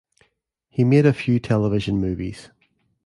He made a few television movies.